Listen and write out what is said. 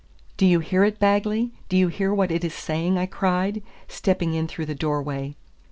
"Do you hear it, Bagley? do you hear what it is saying?" I cried, stepping in through the door way.